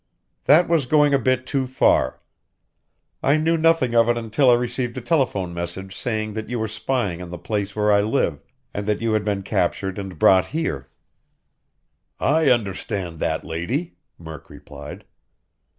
"That was going a bit too far. I knew nothing of it until I received a telephone message saying that you were spying on the place where I live, and that you had been captured and brought here." "I understand that, lady," Murk replied.